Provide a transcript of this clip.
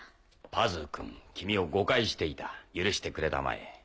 パズーくん君を誤解していた許してくれたまえ。